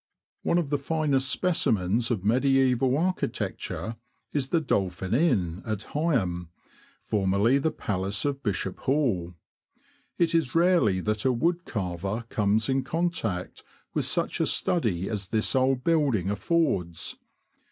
One of the finest specimens of mediaeval architec ture is the Dolphin Inn, at Heigham, formerly the Palace of Bishop Hall. It is rarely that a wood carver comes in contact with such a study as this old build ing affords.